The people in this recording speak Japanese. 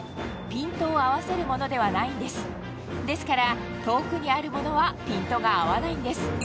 ピントを合わせるものではないんですですから遠くにあるものはピントが合わないんです